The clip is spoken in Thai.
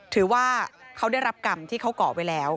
ถือว่าเขาได้รับกรรมที่เขาก่อไว้แล้ว